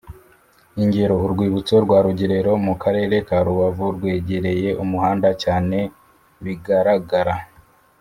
Ingero urwibutso rwa rugerero mu karere ka rubavu rwegereye umuhanda cyane bigaragara